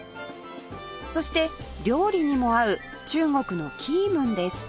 そして料理にも合う中国のキームンです